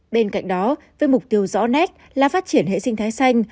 bên cạnh đó với mục tiêu rõ nét là phát triển hệ sinh thái xanh